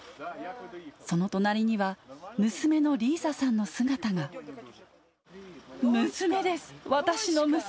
その隣には、娘のリーザさんの姿娘です、私の娘！